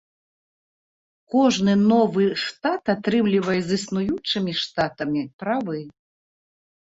Кожны новы штат атрымлівае з існуючымі штатамі правы.